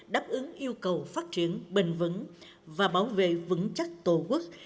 đáp ứng yêu cầu phát triển bền vững và bảo vệ vững chắc tổ quốc